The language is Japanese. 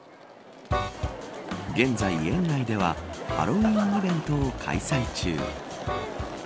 現在、園内ではハロウィーンイベントを開催中。